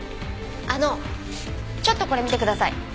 あのちょっとこれ見てください。